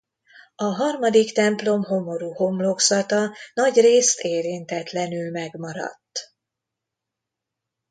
A harmadik templom homorú homlokzata nagyrészt érintetlenül megmaradt.